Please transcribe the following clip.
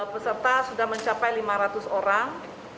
peserta sudah mencapai lima ratus orang